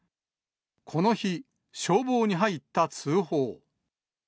この日、消防に入った通報。